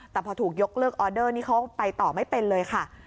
แต่พอถูกยกเลิกออเดอร์นี่เขาไปต่อไม่เป็นเลยค่ะ